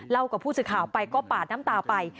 กับผู้สื่อข่าวไปก็ปาดน้ำตาไป